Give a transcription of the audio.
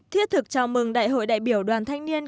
thiết thực chào mừng đại hội đại biểu đoàn thanh niên